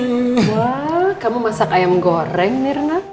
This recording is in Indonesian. wah kamu masak ayam goreng nih rena